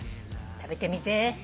食べてみて。